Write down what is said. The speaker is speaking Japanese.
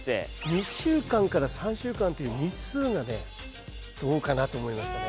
２週間から３週間という日数がねどうかなと思いましたね。